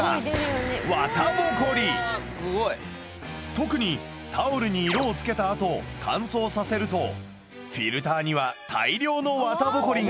特にタオルに色を付けたあと乾燥させるとフィルターには大量の綿ボコリが！